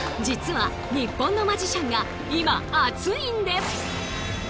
実は日本のマジシャンが今熱いんです！